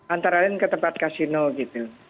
antara lain ke tempat kasino gitu